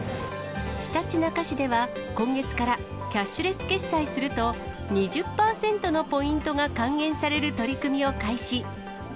ひたちなか市では、今月からキャッレス決済すると、２０％のポイントが還元される取り組みを開始。